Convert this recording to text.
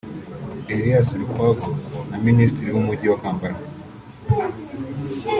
Erias Lukwago na Minisitiri w’umujyi wa Kampala